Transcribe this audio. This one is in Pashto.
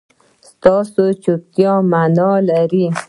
ایا ستاسو چوپتیا معنی لري؟